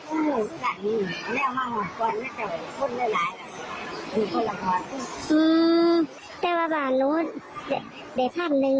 อืมแต่ว่าบ้านนู้นเดี๋ยวภาพหนึ่งดิ